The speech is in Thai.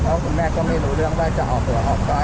เพราะคุณแม่ก็ไม่รู้เรื่องว่าจะเอาตัวออกได้